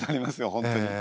本当に。